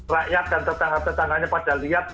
rakyat dan tetangga tetangganya pada lihat